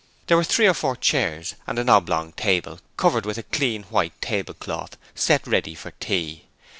There were three or four chairs, and an oblong table, covered with a clean white tablecloth, set ready for tea.